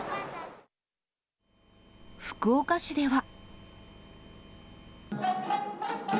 福岡市では。